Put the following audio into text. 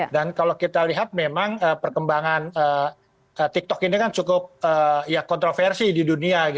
dan kalau kita lihat memang perkembangan tiktok ini kan cukup ya kontroversi di dunia gitu ya